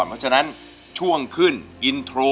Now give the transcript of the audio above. เพราะฉะนั้นช่วงขึ้นอินโทร